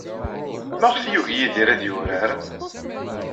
Maɣef ay yugi Yidir ad yurar?